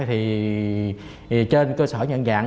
thì trên cơ sở nhận dạng